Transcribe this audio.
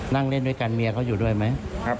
นั่งเล่นด้วยกันเมียเขาอยู่ด้วยไหม